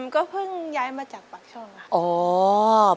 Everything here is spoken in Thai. ก็เพิ่งย้ายมาจากปากช่องค่ะ